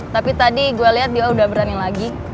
tapi tadi gue lihat dia udah berani lagi